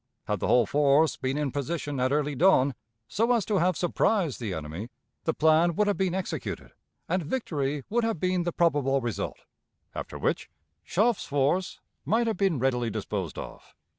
Had the whole force been in position at early dawn, so as to have surprised the enemy, the plan would have been executed, and victory would have been the probable result; after which, Schöpf's force might have been readily disposed of.